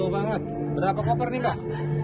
berapa koper nih mbak